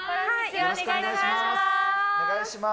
よろしくお願いします。